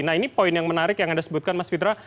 nah ini poin yang menarik yang anda sebutkan mas fitra